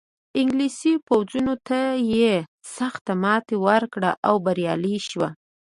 انګلیسي پوځونو ته یې سخته ماتې ورکړه او بریالی شو.